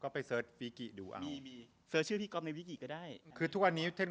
พี่ลีเคยได้ยินพี่ลีเคยได้ยิน